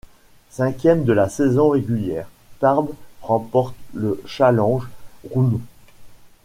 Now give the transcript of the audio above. Cinquième de la saison régulière, Tarbes remporte le Challenge Round.